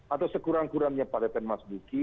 atau sekurang kurangnya pak repen mas duki